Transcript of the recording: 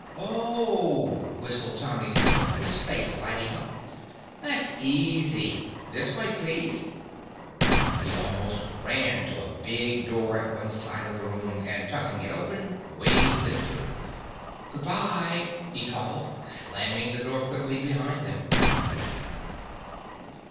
"Oh!" whistled Tommy Tallow, his face lighting up. "That's easy—this way, please!" He almost ran to a big door at one side of the room and tugging it open, waved them through. "Good bye!" he called, slamming the door quickly behind them.